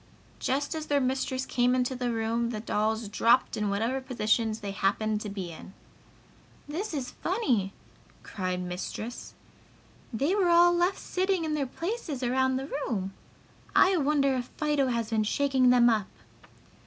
Just as their mistress came into the room the dolls dropped in whatever positions they happened to be in. "This is funny!" cried Mistress. "They were all left sitting in their places around the room! I wonder if Fido has been shaking them up!"